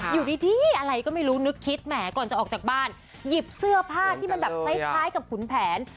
อยู่ดีอะไรก็ไม่รู้นึกคิดแหมก่อนจะออกจากบ้านหยิบเสื้อผ้าที่มันแบบคล้ายกับขุนแผน